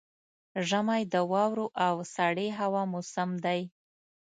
ژمی د واورو او سړې هوا موسم دی.